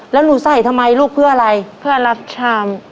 แล้วหนูใส่ทำไมลูกเพื่ออะไรเพื่อรับชาม